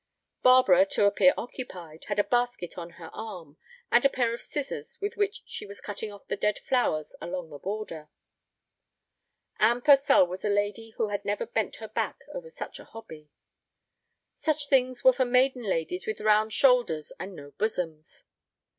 Barbara, to appear occupied, had a basket on her arm, and a pair of scissors with which she was cutting off the dead flowers along the border. Anne Purcell was a lady who had never bent her back over such a hobby. "Such things were for maiden ladies with round shoulders and no bosoms."